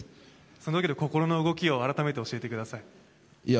その時の心の動きを改めて教えてください。